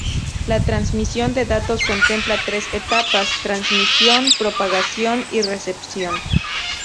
La transmisión de datos contempla tres etapas: transmisión, propagación y recepción.